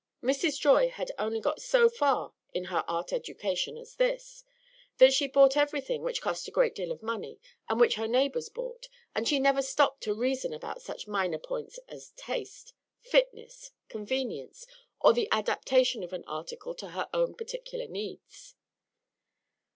Mrs. Joy had only got so far in her art education as this, that she bought everything which cost a great deal of money and which her neighbors bought, and she never stopped to reason about such minor points as taste, fitness, convenience, or the adaptation of an article to her own particular needs.